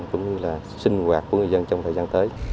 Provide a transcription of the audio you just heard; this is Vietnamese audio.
cũng như là sinh hoạt của người dân